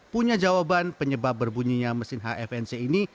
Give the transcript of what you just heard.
punya jawaban penyebab berbunyinya mesin hfnc ini